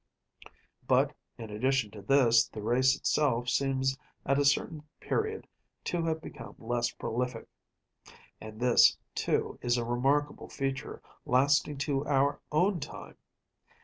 But, in addition to this, the race itself seems at a certain period to have become less prolific; and this, too, is a remarkable feature lasting to our own time.